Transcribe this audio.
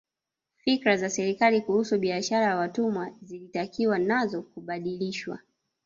Fikra za serikali kuhusu biashara ya watumwa zilitakiwa nazo kubadilishwa